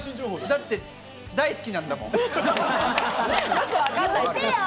だって大好きなんだもん。